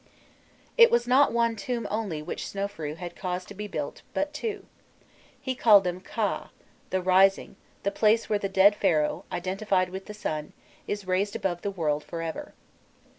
It was not one tomb only which Snofrui had caused to be built, but two. He called them "Khâ," the Rising, the place where the dead Pharaoh, identified with the sun, is raised above the world for ever.